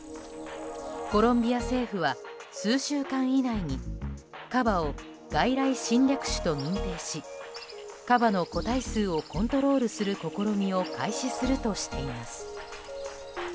コロンビア政府は、数週間以内にカバを外来侵略種と認定しカバの個体数をコントロールする試みを開始するとしています。